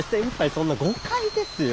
そんな誤解ですよ。